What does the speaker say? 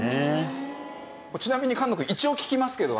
ちなみに菅野くん一応聞きますけど。